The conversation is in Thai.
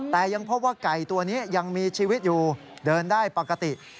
แต่ยังพบว่าไก่ตัวนี้ยังมีชีวิตอยู่เดินได้ปกติ